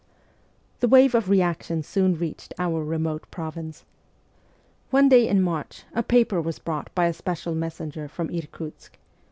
The wave of reaction soon reached our remote province. One day in March a paper was brought by a special messenger from Irkutsk.